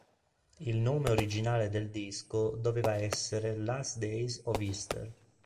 Il nome originale del disco doveva essere "Last Days of Easter".